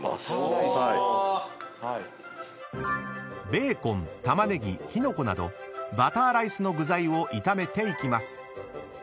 ［ベーコン玉ねぎキノコなどバターライスの具材を炒めていきます］